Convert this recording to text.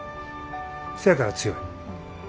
せやから強い。